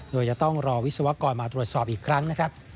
โดยจะต้องรอวิศวกรมาตรวจสอบอีกครั้งนะครับ